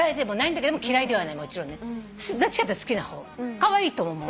カワイイと思う。